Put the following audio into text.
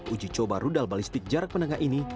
uji coba rudal balistik jarak menengah ini